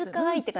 はい。